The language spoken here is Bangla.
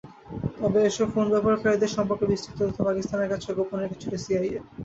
তবে এসব ফোন ব্যবহারকারীদের সম্পর্কে বিস্তারিত তথ্য পাকিস্তানের কাছেও গোপন রেখেছিল সিআইএ।